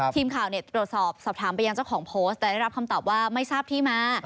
ทีมข่าวตรวจสอบสอบถามไปยังเจ้าของโพสต์แต่ได้รับคำตอบว่าไม่ทราบที่มา